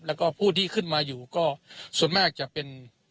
แล้วก็ผู้ที่ขึ้นมาอยู่ก็ส่วนมากจะเป็น